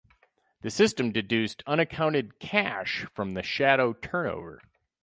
The system deduced unaccounted cash from the shadow turnover.